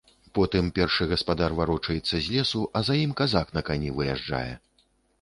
Потым першы гаспадар варочаецца з лесу, а за ім казак на кані выязджае.